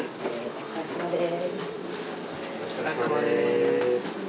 お疲れさまです。